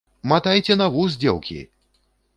Матайце на вус, дзеўкі!